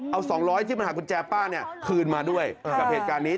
เอา๒๐๐ที่มันหากุญแจป้าเนี่ยคืนมาด้วยกับเหตุการณ์นี้